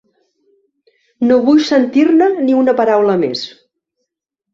No vull sentir-ne ni una paraula més.